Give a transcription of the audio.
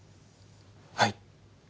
はい。